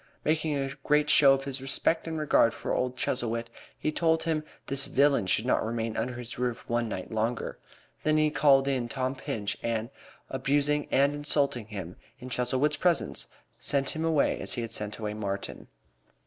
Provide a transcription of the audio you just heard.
Making a great show of his respect and regard for old Chuzzlewit, he told him this villain should not remain under his roof one night longer. Then he called in Tom Pinch and, abusing and insulting him in Chuzzlewit's presence, sent him away as he had sent away Martin.